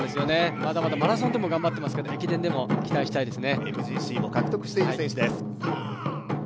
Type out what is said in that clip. まだまだマラソンでも頑張っていますけれども、駅伝でも頑張ってほしいですね。